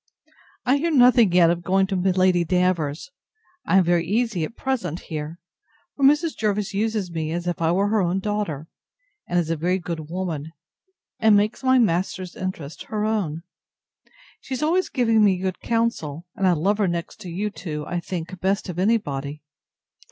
I hear nothing yet of going to Lady Davers; and I am very easy at present here: for Mrs. Jervis uses me as if I were her own daughter, and is a very good woman, and makes my master's interest her own. She is always giving me good counsel, and I love her next to you two, I think, best of any body.